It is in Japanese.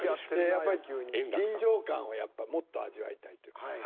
やっぱり臨場感をやっぱもっと味わいたいというか。